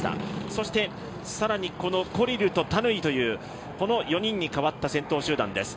そしてコリルとタヌイというこの４人に代わった先頭集団です。